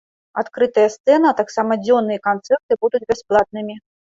Адкрытая сцэна, а таксама дзённыя канцэрты будуць бясплатнымі.